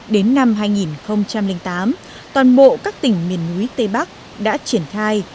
đến năm hai nghìn tám toàn bộ các tỉnh miền núi tây bắc đã triển khai